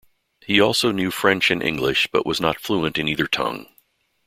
He also knew French and English, but was not fluent in either tongue.